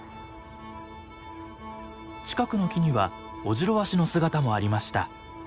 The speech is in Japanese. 近くの木にはオジロワシの姿もありました。